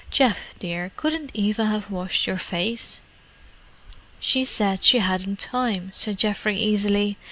Geoff, dear, couldn't Eva have washed your face?" "She said she hadn't time," said Geoffrey easily.